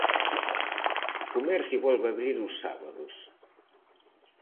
O comercio volve abrir os sábados.